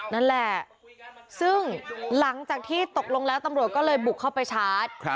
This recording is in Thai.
นั่นแหละซึ่งหลังจากที่ตกลงแล้วตำรวจก็เลยบุกเข้าไปชาร์จ